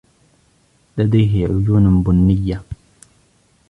لديه عيون بنية.